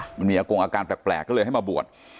ค่ะมันมีอากรุงอาการแปลกแปลกก็เลยให้มาบวช